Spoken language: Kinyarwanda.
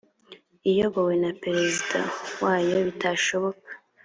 iyobowe na perezida wayo bitashoboka